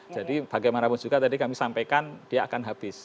jadi bagaimanapun juga tadi kami sampaikan dia akan habis